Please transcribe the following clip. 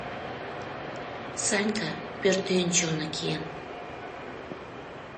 Санька пӧртӧнчылнӧ киен.